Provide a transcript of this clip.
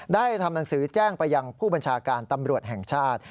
ได้ทำหนังสือแจ้งไปยังผู้บัญชาการตำรวจแห่งชาติ